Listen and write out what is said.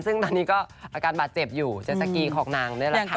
ซึ่งตอนนี้ก็อาการบาดเจ็บอยู่เจ็ดสกีของนางนี่แหละค่ะ